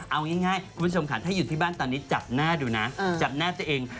เอาง่ายคุณผู้ชมค่ะถ้าอยู่ที่บ้านตอนนี้จับหน้าดูนะจับหน้าตัวเอง